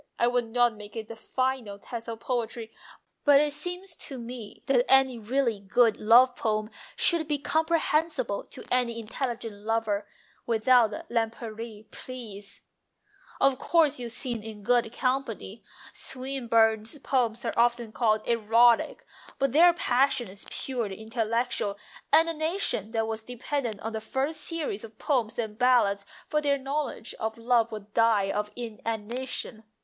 I would not make it the final test of poetry, but it seems to me that any really good love poem should be comprehensible to any intelligent lover ... without Lempriere, please !"" Of course you sin in good company. Swinburne's poems are often called erotic, but their passion is purely intellectual, and a nation that was dependent on the first series of Poems and Ballads for their knowledge of love would die of inanition.